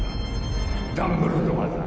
ダンブルドアだ